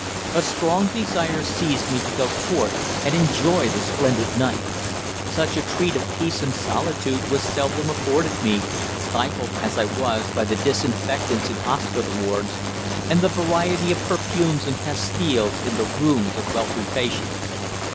A strong desire seized me to go forth and enjoy the splendid night. Such a treat of peace and solitude was seldom afforded me, stifled as I was by the disinfectants in hospital wards and the variety of perfumes and pastilles in the rooms of wealthy patients.